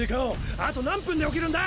あと何分で起きるんだ！？